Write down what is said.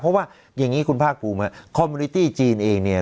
เพราะว่าอย่างนี้คุณภาคภูมิคอมมินิตี้จีนเองเนี่ย